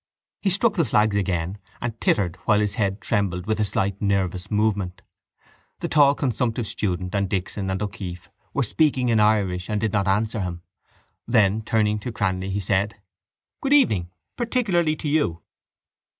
He struck the flags again and tittered while his head trembled with a slight nervous movement. The tall consumptive student and Dixon and O'Keeffe were speaking in Irish and did not answer him. Then, turning to Cranly, he said: —Good evening, particularly to you.